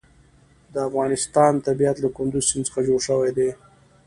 د افغانستان طبیعت له کندز سیند څخه جوړ شوی دی.